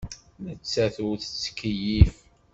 Nettat ur tettkeyyif.